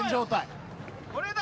これだ。